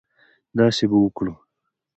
داسې به وکړو.